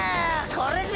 これじゃ！